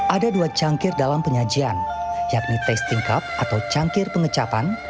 ada dua cangkir dalam penyajian yakni tasting cup atau cangkir pengecapan